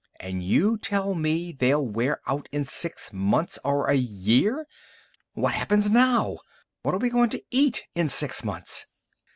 "And you tell me they'll wear out in six months or a year. What happens now? What are we going to eat in six months?"